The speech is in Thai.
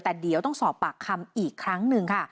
แต่เดี๋ยวต้องสอบปากคำอีกครั้งหนึ่งค่ะ